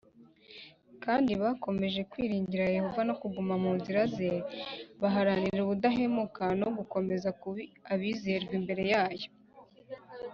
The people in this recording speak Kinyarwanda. kandi bakomeje kwiringira Yehova no kuguma mu nzira ze baharanira ubudahemuka no gukomeza kuba abizerwa imbere yayo.